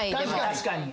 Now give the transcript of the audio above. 確かに！